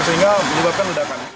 sehingga menyebabkan ledakan